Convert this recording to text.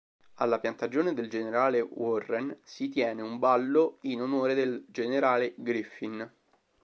Alla piantagione del generale Warren si tiene un ballo in onore del generale Griffin.